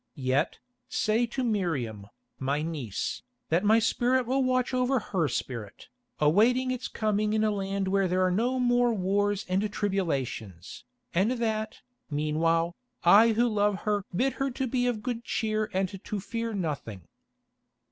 Yet, say to Miriam, my niece, that my spirit will watch over her spirit, awaiting its coming in a land where there are no more wars and tribulations, and that, meanwhile, I who love her bid her to be of good cheer and to fear nothing."